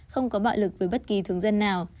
không có bạo lực với bất kỳ thường dân nào